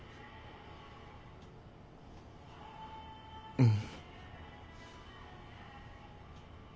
うん。